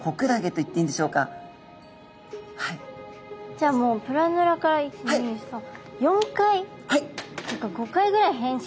じゃあもうプラヌラから１２３４回とか５回ぐらい変身。